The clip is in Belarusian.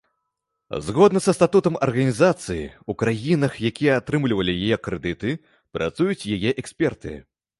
Згодна са статутам арганізацыі, у краінах, якія атрымлівалі яе крэдыты, працуюць яе эксперты.